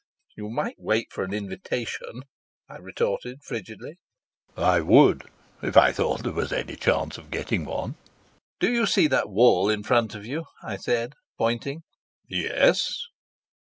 "You might wait for an invitation," I retorted frigidly. "I would if I thought there was any chance of getting one." "Do you see that wall in front of you?" I said, pointing. "Yes."